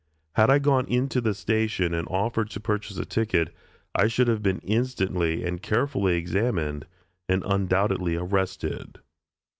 Had I gone into the station and offered to purchase a ticket, I should have been instantly and carefully examined, and undoubtedly arrested.